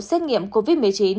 xét nghiệm covid một mươi chín